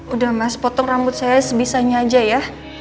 udah mas potong rambut saya sebisanya aja ya